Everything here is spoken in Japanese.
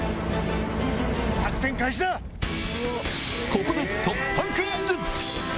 ここで突破クイズ！